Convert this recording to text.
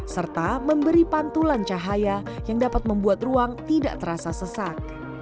serta memberi pantulan cahaya yang dapat membuat ruang tidak terasa sesak